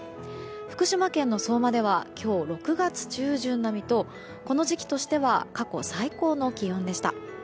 福島県の相馬では今日６月中旬並みとこの時期としては過去最高の気温でした。